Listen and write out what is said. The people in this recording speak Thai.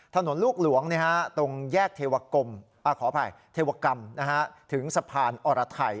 ถนนลูกหลวงตรงแยกเทวากรรมถึงสะพานอรไถ